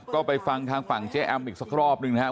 ก็ไปฟังทางฝั่งเจ๊แอมอีกสักรอบหนึ่งนะครับ